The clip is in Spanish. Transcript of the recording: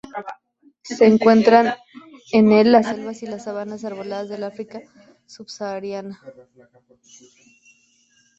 Se encuentra en en las selvas y sabanas arboladas del África Subsahariana.